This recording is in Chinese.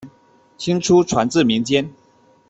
清初传至民间。